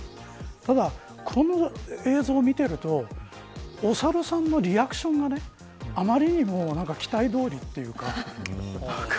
ただ、この映像を見ているとおサルさんのリアクションがあまりにも期待どおりというか。